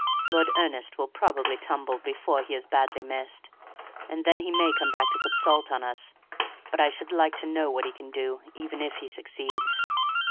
Lord Ernest will probably tumble before he is badly missed; and then he may come back to put salt on us; but I should like to know what he can do even if he succeeds!